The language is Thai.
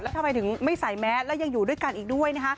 แล้วทำไมถึงไม่ใส่แมสแล้วยังอยู่ด้วยกันอีกด้วยนะคะ